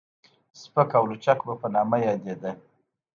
سپک او لچک به په نامه يادېده.